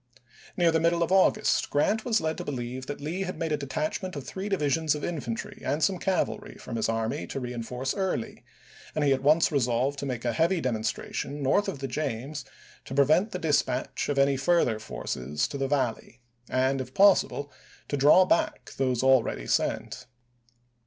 Near the middle of August Grant was led to believe that Lee had made a detachment of three divisions of infantry and some cavalry from his army to reenforce Early, and he at once resolved to make a heavy demonstration north of the James to pre vent the dispatch of any further forces to the Valley, and, if possible, to draw back those already sent.